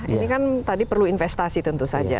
ini kan tadi perlu investasi tentu saja